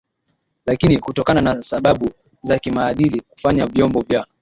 lakini kutokana na sababu za kimaadili kufanya vyombo vya